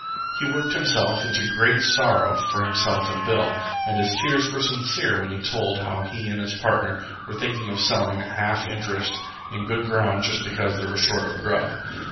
He worked himself into a great sorrow for himself and Bill, and his tears were sincere when he told how he and his partner were thinking of selling a half interest in good ground just because they were short of grub.